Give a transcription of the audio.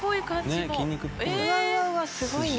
すごいな。